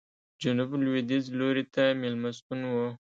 جنوب لوېدیځ لوري ته مېلمستون و.